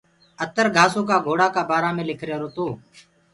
اتر گھآسو ڪآ گھوڙآ ڪآ بآرآ مي لکرهيرو تو۔